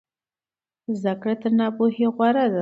زده کړه تر ناپوهۍ غوره ده.